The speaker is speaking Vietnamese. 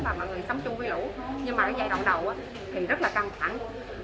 và mọi người sống chung với lũ nhưng mà cái giai đoạn đầu thì rất là căng thẳng